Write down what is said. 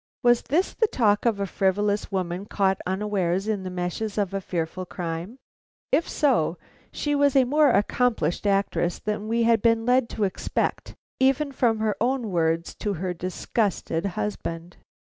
Was this the talk of a frivolous woman caught unawares in the meshes of a fearful crime? If so, she was a more accomplished actress than we had been led to expect even from her own words to her disgusted husband.